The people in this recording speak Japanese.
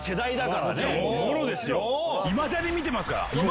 いまだに見てますから。